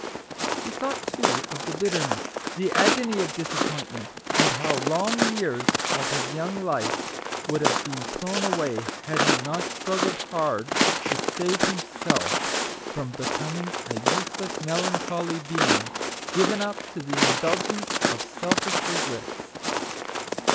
He thought, too, of the bitterness, the agony of disappointment ; and how long years of his young life would have been thrown away, had he not struggled hard to save himself from becoming a useless, melan choly being, given up to the indulgence of MA.GIC WORDS. 9 selfish regrets.